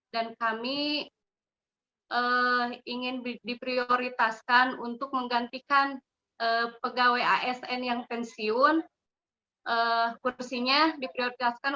dan kami ingin diprioritaskan untuk menggantikan pegawai asn yang pensiun kursinya diprioritaskan